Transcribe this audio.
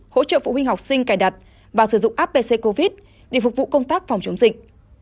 hỗ trợ phụ huynh học sinh cài đặt và sử dụng apc covid để phục vụ công tác phòng chống dịch